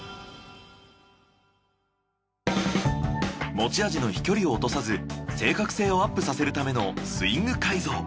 持ち味の飛距離を落とさず正確性をアップさせるためのスイング改造。